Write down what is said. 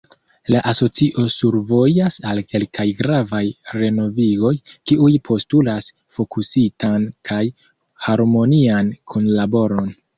“La Asocio survojas al kelkaj gravaj renovigoj, kiuj postulas fokusitan kaj harmonian kunlaboron.